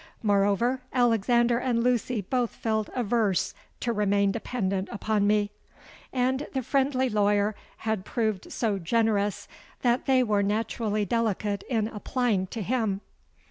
Moreover, Alexander and Lucy both felt averse to remain dependant upon me; and the friendly lawyer had proved so generous that they were naturally delicate in applying to him.